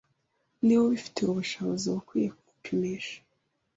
niba ubifitiye ubushobozi uba ukwiye Kumupimisha